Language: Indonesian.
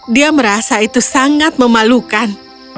dia merasa itu sangat memalukan